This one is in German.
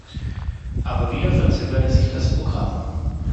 Aber wieder verzögerte sich das Programm.